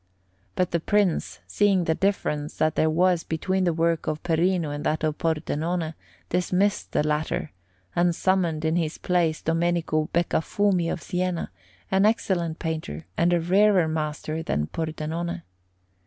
But the Prince, seeing the difference that there was between the work of Perino and that of Pordenone, dismissed the latter, and summoned in his place Domenico Beccafumi of Siena, an excellent painter and a rarer master than Pordenone.